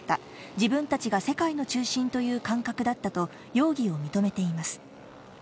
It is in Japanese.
自分たちが世界の中心という感覚だったと、容疑を認めています。